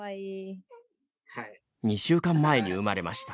２週間前に生まれました。